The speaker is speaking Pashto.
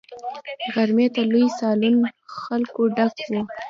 غرمې ته لوی سالون له خلکو ډک وو.